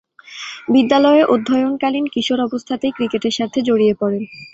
বিদ্যালয়ে অধ্যয়নকালীন কিশোর অবস্থাতেই ক্রিকেটের সাথে জড়িয়ে পড়েন।